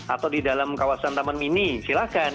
atau di dalam kawasan taman mini silahkan